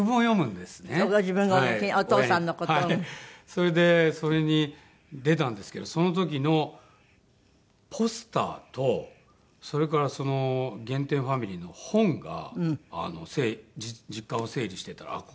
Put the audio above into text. それでそれに出たんですけどその時のポスターとそれからその「減点ファミリー」の本が実家を整理してたらあっ